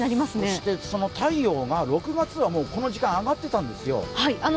そして太陽が、６月はもうこの時間、上がってたんですよ。